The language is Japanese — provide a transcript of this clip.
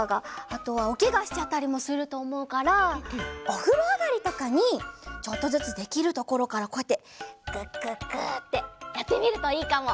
あとはおけがしちゃったりもするとおもうからおふろあがりとかにちょっとずつできるところからこうやってぐっぐっぐってやってみるといいかも！